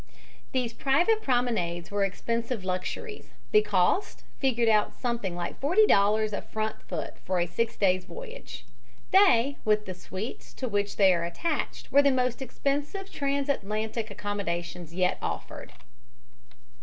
These private promenades were expensive luxuries. The cost figured out something like forty dollars a front foot for a six days' voyage. They, with the suites to which they are attached, were the most expensive transatlantic accommodations yet offered.